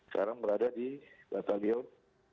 sekarang berada di batalion tujuh ratus lima puluh enam